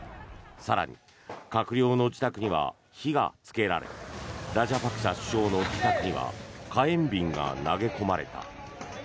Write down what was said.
更に閣僚の自宅には火がつけられラジャパクサ首相の自宅には火炎瓶が投げ込まれた。